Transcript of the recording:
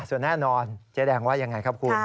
ส่วนแน่นอนเจ๊แดงว่ายังไงครับคุณ